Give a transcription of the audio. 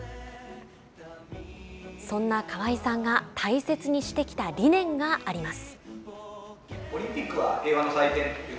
そんな河合さんが大切にしてきた理念があります。